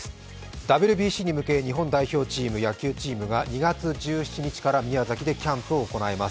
ＷＢＣに向け日本代表チーム、野球チームが２月１８日から宮崎でキャンプを行います。